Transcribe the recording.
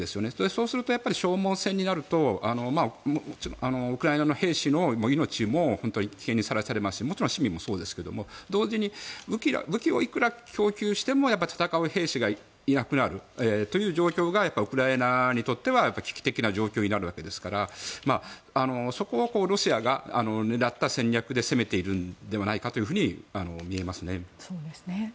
そうすると消耗戦になるとウクライナの兵士の命も危険にさらされますしもちろん市民もそうですけど同時に武器をいくら供給しても戦う兵士がいなくなるという状況がウクライナにとっては危機的な状況になるわけですからそこはロシアが狙った戦略で攻めているのではないかと見えますね。